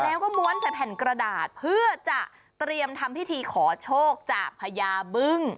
แล้วก็ม้วนใส่แผ่นกระดาษเพื่อจะเตรียมทำพิธีขอโชคจากพญาบึ้ง